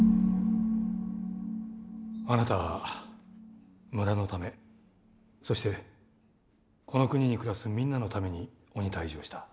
あなたは村のためそしてこの国に暮らすみんなのために鬼退治をした。